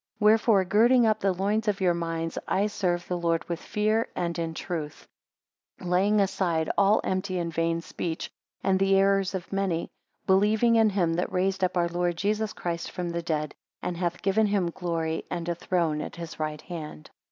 6 Wherefore girding up the loins of your minds; I serve the Lord with fear, and in truth; laying aside all empty and vain speech, and the errors of many; believing in him that raised up our Lord Jesus Christ from the dead, and hath given him glory and a throne at his right hand.